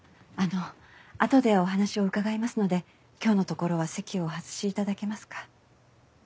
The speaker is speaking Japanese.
あのあとでお話を伺いますので今日のところは席をお外し頂けますか。